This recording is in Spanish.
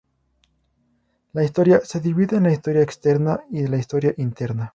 La historia se divide en la historia externa y la historia interna.